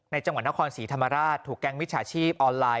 จังหวัดนครศรีธรรมราชถูกแก๊งมิจฉาชีพออนไลน